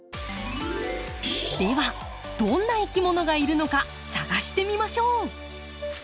ではどんないきものがいるのか探してみましょう！